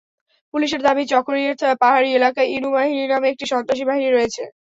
পুলিশের দাবি, চকরিয়ার পাহাড়ি এলাকায় ইনু বাহিনী নামের একটি সন্ত্রাসী বাহিনী রয়েছে।